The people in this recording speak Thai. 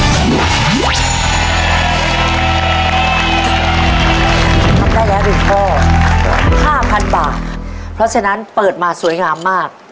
ทำได้แล้ว๑ข้อ๕๐๐๐บาทเพราะฉะนั้นเปิดมาสวยงามมาก